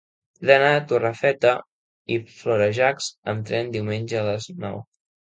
He d'anar a Torrefeta i Florejacs amb tren diumenge a les nou.